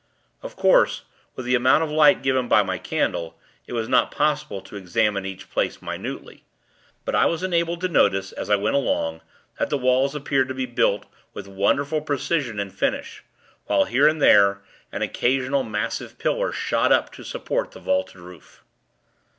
Of course, with the amount of light given by my candle, it was not possible to examine each place, minutely, but I was enabled to notice, as I went along, that the walls appeared to be built with wonderful precision and finish; while here and there, an occasional, massive pillar shot up to support the vaulted roof.